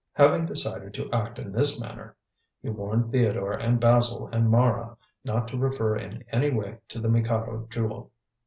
Having decided to act in this manner, he warned Theodore and Basil and Mara not to refer in any way to the Mikado Jewel.